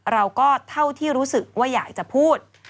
เราก็เท่าที่รู้สึกว่าอยากจะพูด